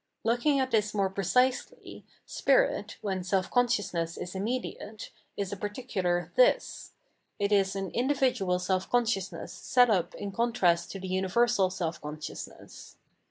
Looking at this more precisely, spirit, when self consciousness is immediate, is a particular " this "\ it is an individual self consciousness set up in contrast to the universal self consciousness.